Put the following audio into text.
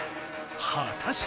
はたして。